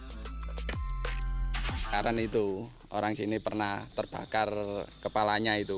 kembali ke pembakaran itu orang sini pernah terbakar kepalanya itu